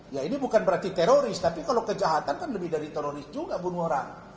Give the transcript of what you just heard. ya ini bukan berarti teroris tapi kalau kejahatan kan lebih dari teroris juga bunuh orang